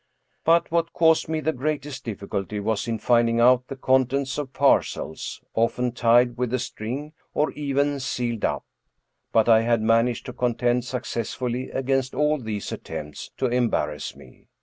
But what caused me the greatest difficulty was in finding out the contents of parcels, often tied with a string, or even sealed up. But I had managed to contend successfully against all these attempts to embarrass me.